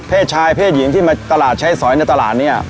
ชายเพศหญิงที่มาตลาดใช้สอยในตลาดเนี่ย